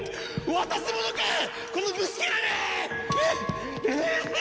渡すものかこの虫けらめ！